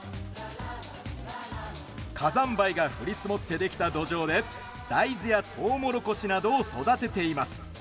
火山灰が降り積もってできた土壌で、大豆やとうもろこしなどを育てています。